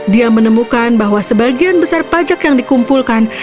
dia menemukan bahwa sebagian besar pajak yang dikumpulkan